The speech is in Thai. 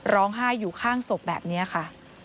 ร้องไห้อยู่ข้างศพแบบนี้ค่ะ